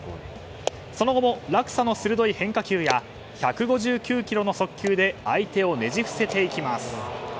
その後も落差の鋭い変化球や１５９キロの速球で相手をねじ伏せていきます。